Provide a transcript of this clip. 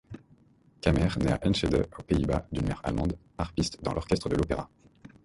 Kamer naît à Enschede aux Pays-Bas d’une mère allemande, harpiste dans l’orchestre de l’opéra.